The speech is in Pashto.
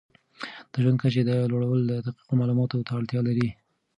د ژوند د کچې لوړول دقیقو معلوماتو ته اړتیا لري.